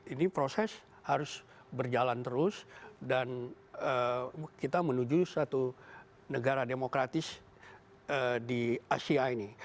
ini proses harus berjalan terus dan kita menuju satu negara demokratis di asia ini